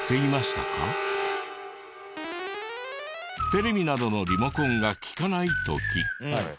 テレビなどのリモコンがきかない時。